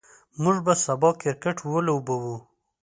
موږ به سبا کرکټ ولوبو.